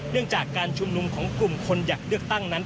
เรื่องจากการชุมนุมของกลุ่มคนอยากเลือกตั้งนั้น